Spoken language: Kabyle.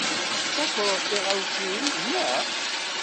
Tettakreḍ tiɣawsiwin, naɣ?